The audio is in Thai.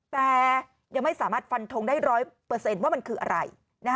แต่ยังไม่สามารถฟันทงได้๑๐๐ว่ามันคืออะไร